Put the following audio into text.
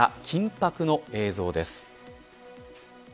緊迫の映像です。